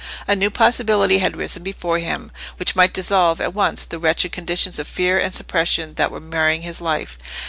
A new possibility had risen before him, which might dissolve at once the wretched conditions of fear and suppression that were marring his life.